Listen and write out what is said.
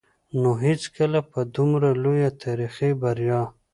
نو هېڅکله به دومره لويه تاريخي بريا